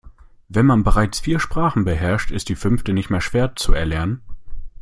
Wenn man bereits vier Sprachen beherrscht, ist die fünfte nicht mehr schwer zu erlernen.